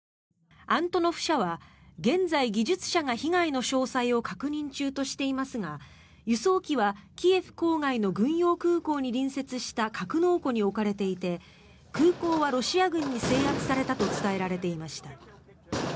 アントノフ社は現在、技術者が被害の詳細を確認中としていますが輸送機はキエフ郊外の軍用空港に隣接した格納庫に置かれていて空港はロシア軍に制圧されたと伝えられていました。